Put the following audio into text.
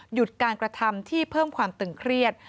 หยุดการกระทำที่เพิ่มความตึงเครียด